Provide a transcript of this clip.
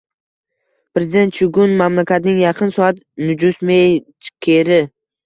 Prezident Chugun mamlakatning Yaqin soat njusmejkeri